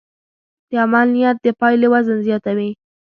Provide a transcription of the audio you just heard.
د عمل نیت د پایلې وزن زیاتوي.